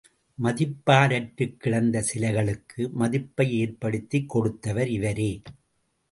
மதிப்பாரற்றுக் கிடந்த சிலைகளுக்கு மதிப்பை ஏற்படுத்திக் கொடுத்தவர் இவரே.